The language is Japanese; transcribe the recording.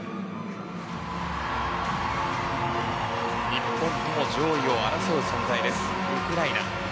日本とも上位を争う存在ですウクライナ。